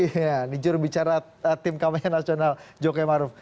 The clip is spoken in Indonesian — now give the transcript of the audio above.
ini jurubicara tim kampanye nasional jokowi maruf